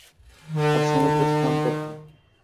আর সমুদ্রে স্নান করতে।